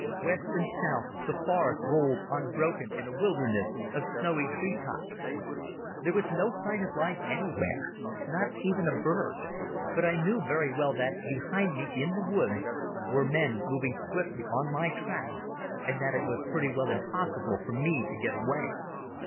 West and south the forest rolled unbroken in a wilderness of snowy tree tops. There was no sign of life anywhere, not even a bird, but I knew very well that behind me in the woods were men moving swiftly on my track, and that it was pretty well impossible for me to get away.